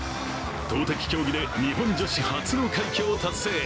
投てき競技で日本女子初の快挙を達成。